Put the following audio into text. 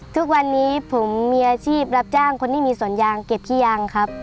ทุกวันนี้ผมมีอาชีพรับจ้างคนที่มีสวนยางเก็บขี้ยางครับ